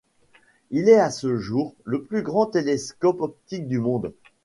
Il est à ce jour, le plus grand télescope optique du monde.